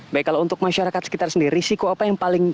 baiklah untuk masyarakat sekitar sendiri risiko apa yang paling